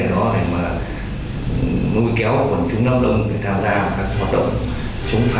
để mà lôi kéo vào quần chúng đông đông người tham gia các hoạt động chống phá